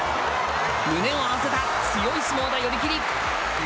胸を合わせた、強い相撲で寄り切り。